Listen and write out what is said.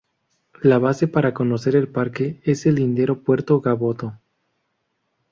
La base para conocer el parque es el lindero Puerto Gaboto.